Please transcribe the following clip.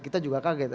kita juga kaget